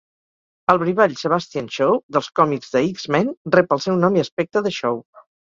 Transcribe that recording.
El brivall Sebastian Shaw, dels còmics de X-Men, rep el seu nom i aspecte de Shaw.